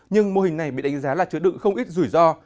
nhưng mô hình này bị đánh giá là chứa đựng không ít rủi ro